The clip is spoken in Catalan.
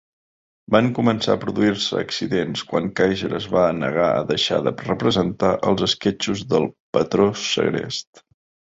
Van començar a produir-se "accidents" quan Kaiser es va negar a deixar de representar els esquetxos del "Patró Segrest".